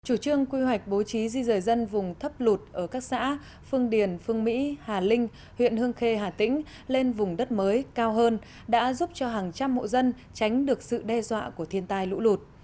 chủ trương quy hoạch bố trí di rời dân vùng thấp lụt ở các xã phương điền phương mỹ hà linh huyện hương khê hà tĩnh lên vùng đất mới cao hơn đã giúp cho hàng trăm hộ dân tránh được sự đe dọa của thiên tai lũ lụt